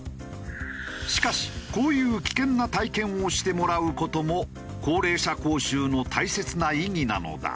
しかしこういう危険な体験をしてもらう事も高齢者講習の大切な意義なのだ。